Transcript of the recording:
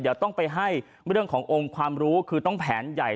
เดี๋ยวต้องไปให้เรื่องขององค์ความรู้คือต้องแผนใหญ่